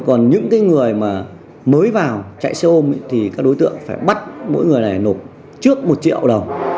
còn những người mà mới vào chạy xe ôm thì các đối tượng phải bắt mỗi người này nộp trước một triệu đồng